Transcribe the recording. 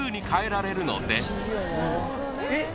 えっ？